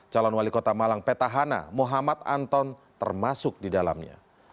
calon wali kota malang petahana muhammad anton termasuk di dalamnya